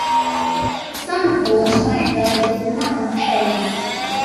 სამეფო ლაშქარი დაედევნა მტერს.